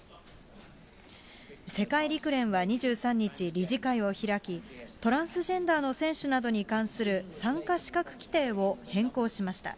世界陸連は２３日、理事会を開き、トランスジェンダーの選手などに関する参加資格規定を変更しました。